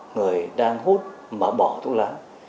người đang hút mà bỏ thuốc lá